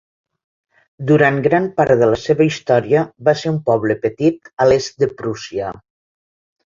Durant gran part de la seva història va ser un poble petit a l'est de Prússia.